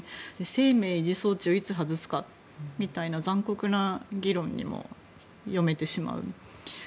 生命維持装置をいつ外すかという残酷な議論にも読めてしまう。